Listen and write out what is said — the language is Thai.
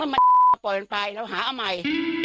มันปล่อยเข้าไปแล้วหาใหม่